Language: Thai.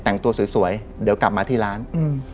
แต่งตัวสวยสวยเดี๋ยวกลับมาที่ร้านอืม